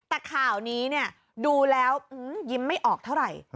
แต่ข่าวนี้ดูแล้วยิ้มไม่ออกเท่าไหร่